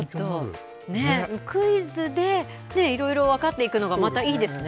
ね、クイズでいろいろ分かっていくのが、またいいですね。